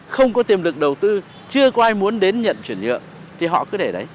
không có tiềm lực đầu tư chưa có ai muốn đến nhận chuyển nhượng thì họ cứ để đấy